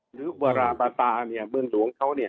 หรือวัลาปตาเนี่ยเมืองหลวงเขาเนี่ย